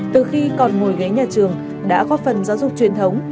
từ khi còn ngồi ghế nhà trường đã góp phần giáo dục truyền thống